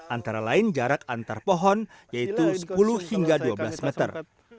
antara lain jarak antar pohon yaitu sepuluh hingga dua belas meter